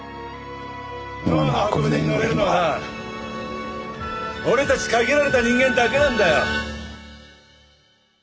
ノアの箱舟に乗れるのは俺たち限られた人間だけなんだよ。